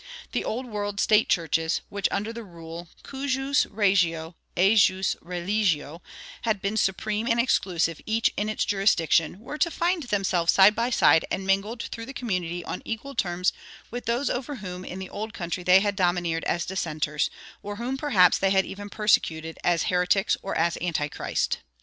The old world state churches, which under the rule, cujus regio ejus religio, had been supreme and exclusive each in its jurisdiction, were to find themselves side by side and mingled through the community on equal terms with those over whom in the old country they had domineered as dissenters, or whom perhaps they had even persecuted as heretics or as Antichrist.